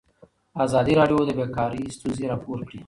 ازادي راډیو د بیکاري ستونزې راپور کړي.